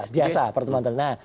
biasa pertemuan tertutup